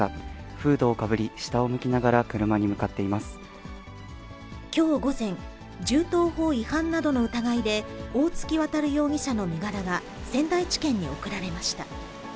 フードをかぶり、下を向きながらきょう午前、銃刀法違反などの疑いで大槻渉容疑者の身柄が仙台地検に送られました。